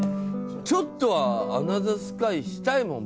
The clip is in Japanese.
ちょっとはアナザースカイしたいもん僕だって。